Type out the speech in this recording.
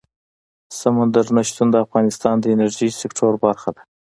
سمندر نه شتون د افغانستان د انرژۍ سکتور برخه ده.